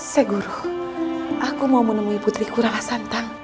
seguroh aku mau menemui putriku rana santang